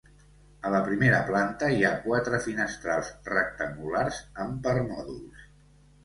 A la primera planta hi ha quatre finestrals rectangulars amb permòdols.